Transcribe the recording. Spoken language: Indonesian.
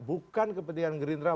bukan kepentingan gerindra